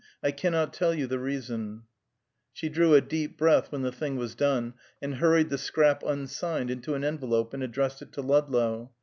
I cannot tell you the reason." She drew a deep breath when the thing was done, and hurried the scrap unsigned into an envelope and addressed it to Ludlow.